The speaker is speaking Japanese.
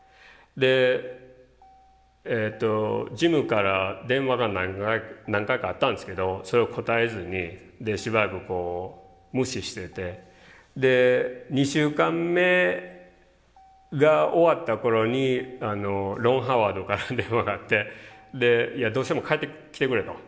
でジムから電話が何回かあったんですけどそれを答えずにしばらく無視しててで２週間目が終わった頃にロン・ハワードから電話があってでいやどうしても帰ってきてくれと。